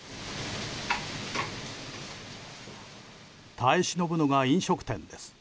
耐え忍ぶのが飲食店です。